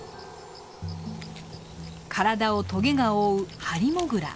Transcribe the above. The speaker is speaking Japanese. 体をトゲが覆うハリモグラ。